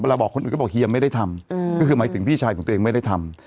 บอกคนอื่นก็บอกเฮียไม่ได้ทำก็คือหมายถึงพี่ชายของตัวเองไม่ได้ทำ